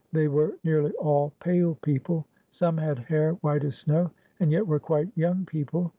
They were nearly all pale people. Some had hair white as snow, and yet were quite young people.